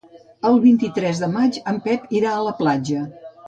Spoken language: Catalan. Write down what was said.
El vint-i-tres de maig en Pep irà a la platja.